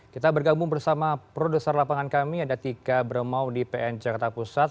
kita bergabung bersama produser lapangan kami ada tika beremau di pn jakarta pusat